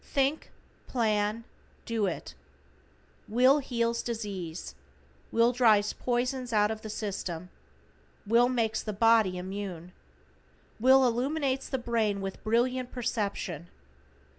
THINK, PLAN, DO IT. Will heals disease. Will drives poisons out of the system. Will makes the body immune. Will illumines the brain with brilliant perception.